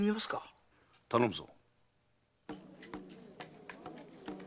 頼むぞ。